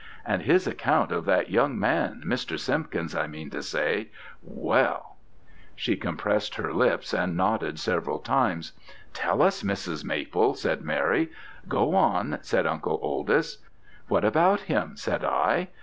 And his account of that young man, Mr. Simpkins's I mean to say well!' She compressed her lips and nodded several times. 'Tell us, Mrs. Maple,' said Mary. 'Go on,' said Uncle Oldys. 'What about him?' said I.